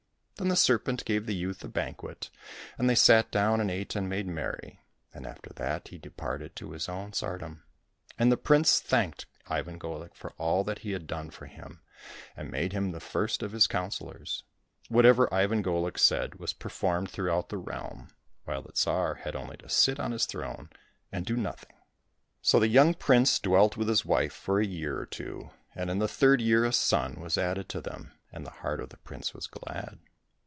Then the serpent gave the youth a banquet, and they sat down and ate and made merry, and after that he departed to his own tsardom. And the prince thanked Ivan GoHk for all that he had done for him, and made him the first of his counsellors. Whatever Ivan Golik said was performed throughout the realm, while the Tsar had only to sit on his throne and do nothing. So the young prince dwelt with his wife for a year or two, and in the third year a son was added to them, and the heart of the prince was glad.